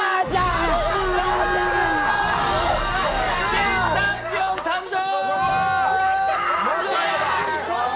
新チャンピオン、誕生！